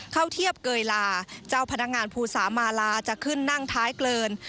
เข้าเทียบเกยลาเจ้าพนักงานภูสามาลาจะขึ้นนั่งท้ายเกิน